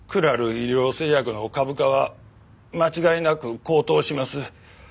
医療製薬の株価は間違いなく高騰します。